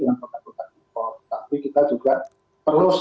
mungkin ada kontraknya